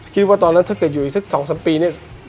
คิดว่าตอนนั้นถ้าเกิดอยู่อีกสัก๒๓ปีเนี่ย